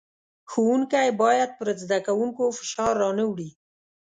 ښوونکی بايد پر زدکوونکو فشار را نۀ وړي.